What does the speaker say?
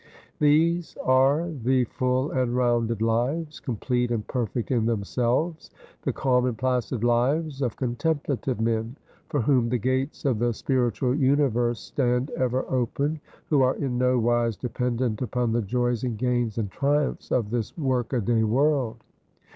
These are the full and rounded lives, complete and perfect in themselves, the calm and placid lives of contemplative men, for whom the gates of the spiritual universe stand ever open, who are in no wise dependent upon the joys, and gains, and triumphs of this work a day world.